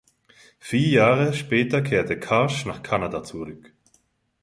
Vier Jahre später kehrte Karsh nach Kanada zurück.